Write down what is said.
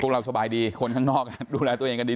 เราสบายดีคนข้างนอกดูแลตัวเองกันดี